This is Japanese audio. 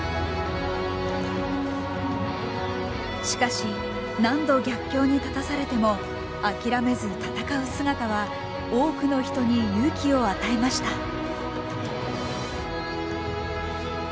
しかし何度逆境に立たされても諦めず戦う姿は多くの人に勇気を与えました。